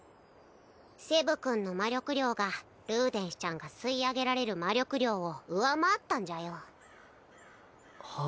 セブ君の魔力量がルーデンスちゃんが吸い上げられる魔力量を上回ったんじゃよは